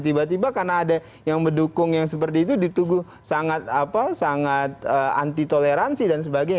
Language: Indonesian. tiba tiba karena ada yang mendukung yang seperti itu ditunggu sangat anti toleransi dan sebagainya